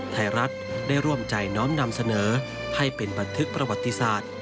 ไทยรัฐได้ร่วมใจน้อมนำเสนอให้เป็นบันทึกประวัติศาสตร์